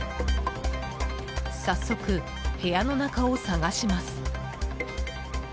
早速、部屋の中を探します。